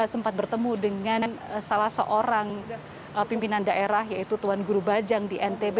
sempat bertemu dengan salah seorang pimpinan daerah yaitu tuan guru bajang di ntb